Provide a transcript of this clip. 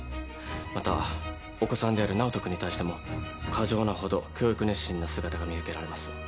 またお子さんである直人君に対しても過剰なほど教育熱心な姿が見受けられます。